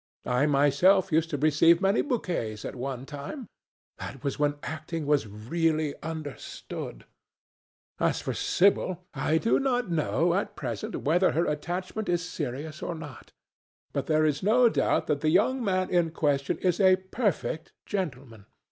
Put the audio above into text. I myself used to receive many bouquets at one time. That was when acting was really understood. As for Sibyl, I do not know at present whether her attachment is serious or not. But there is no doubt that the young man in question is a perfect gentleman.